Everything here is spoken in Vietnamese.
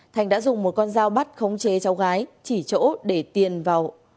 thành đã dùng một con dao bắt khống chế cháu gái chỉ chỗ để tiền vào